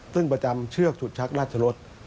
ซึ่งประจำเชือกฉุดชักราชรส